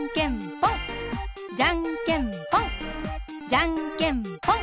じゃんけんぽん！